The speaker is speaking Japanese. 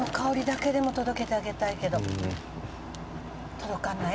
届かない？